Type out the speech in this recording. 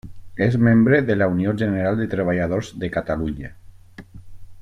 És membre de la Unió General de Treballadors de Catalunya.